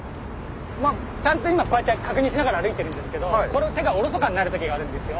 まあちゃんと今こうやって確認しながら歩いてるんですけどこの手がおろそかになる時があるんですよ。